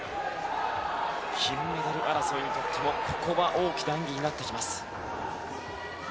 金メダル争いにとっても大きな演技になってきます。